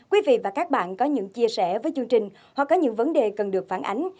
quý vị và các bạn có những chia sẻ với chương trình hoặc có những vấn đề cần được phản ánh